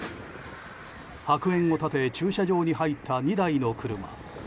白煙を立て駐車場に入った２台の車。